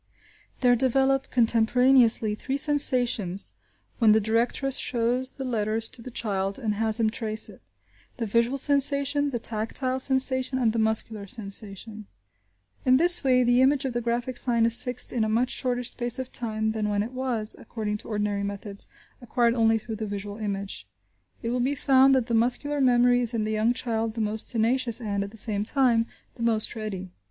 There develop, contemporaneously, three sensations when the directress shows the letter to the child and has him trace it; the visual sensation, the tactile sensation, and the muscular sensation. In this way the image of the graphic sign is fixed in a much shorter space of time than when it was, according to ordinary methods, acquired only through the visual image. It will be found that the muscular memory is in the young child the most tenacious and, at the same time, the most ready.